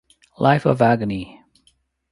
Life of Agony